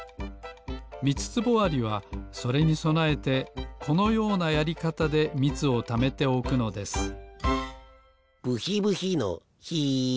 ミツツボアリはそれにそなえてこのようなやりかたでみつをためておくのですブヒブヒのヒ。